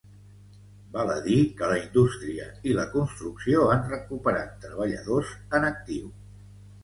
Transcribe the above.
Val a dir que la indústria i la construcció han recuperat treballadors en actiu.